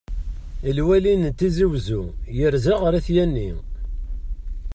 Lwali n tizi wezzu yerza ɣer At yanni.